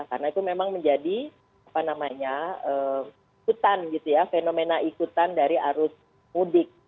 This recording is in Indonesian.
karena itu memang menjadi apa namanya ikutan gitu ya fenomena ikutan dari arus mudik